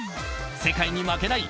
世界に負けない！